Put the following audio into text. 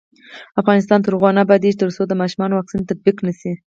افغانستان تر هغو نه ابادیږي، ترڅو د ماشومانو واکسین تطبیق نشي.